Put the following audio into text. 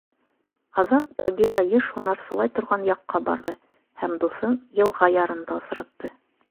Аҙаҡ Багира йыш һунарсылай торған яҡҡа барҙы һәм дуҫын йылға ярында осратты.